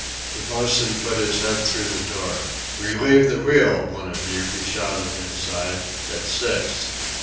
The boatswain put his head through the door. "Relieve the wheel, one of you" he shouted inside "it's six.